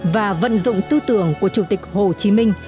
và vận dụng tư tưởng của chủ tịch hồ chí minh